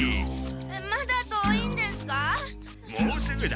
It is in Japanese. まだ遠いんですか？